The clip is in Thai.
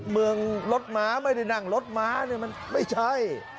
เมืองรถม้าไม่ได้นั่งรถม้าเนี่ยมันไม่ใช่